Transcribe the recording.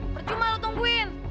percuma lo tungguin